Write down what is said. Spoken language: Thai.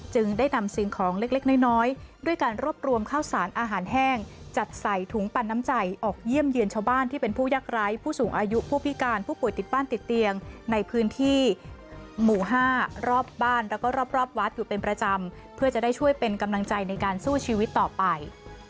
จึงได้นำสิ่งของเล็กน้อยด้วยการรวบรวมข้าวสารอาหารแห้งจัดใส่ถุงปันน้ำใจออกเยี่ยมเยือนชาวบ้านที่เป็นผู้ยักษ์ไร้ผู้สูงอายุผู้พิการผู้ป่วยติดบ้านติดเตียงในพื้นที่หมู่๕รอบบ้านแล้วก็รอบวัดอยู่เป็นประจำเพื่อจะได้ช่วยเป็นกำลังใจในการสู้ชีวิตต่อไป